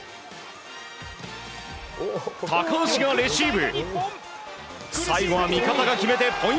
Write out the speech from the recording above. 高橋がレシーブ。